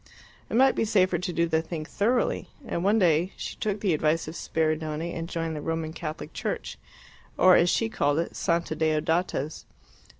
It might be safer to do the thing thoroughly, and one day she took the advice of Spiridione and joined the Roman Catholic Church, or as she called it, "Santa Deodata's."